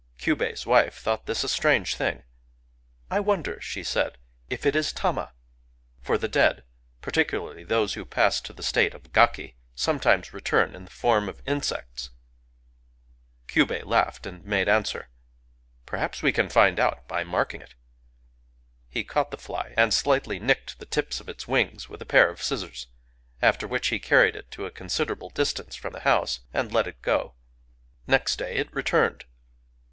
Kyubei's wife thought this a strange thing. " I wonder," she said, "if it is Tama." [For the dead — particularly those who pass to the state of Gaki — som^dmes return in the form of in Digitized by Googk 6o STORY OF A FLY sects.] Kyubei laughed, and made answer, " Per haps we can find out by marking it.'' He caught the fly, and slightly nicked the tips of its wings with a pair of scissors, — after which he carried it to a considerable distance from the house and let it go. Next day it returned.